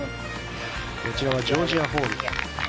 こちらはジョージア・ホール。